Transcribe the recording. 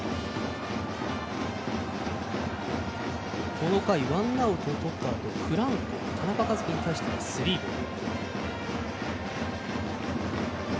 この回、ワンアウトをとったあと、フランコ田中和基に対して、スリーボール。